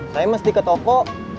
saya mesti ke toko